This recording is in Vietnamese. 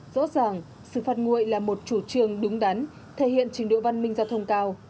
rõ ràng xử phạt nguội là một chủ trương đúng đắn thể hiện trình độ văn minh giao thông cao